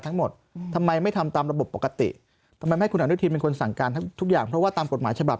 ทั้งหมดทำไมไม่ทำตามระบบปกติการตั้งแต่ว่าตามกฎหมายฉบับ